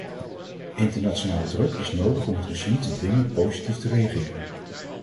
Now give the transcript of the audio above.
Internationale druk is nodig om het regime te dwingen positief te reageren.